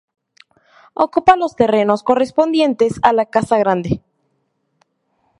Ocupa los terrenos correspondientes a la Casa Grande.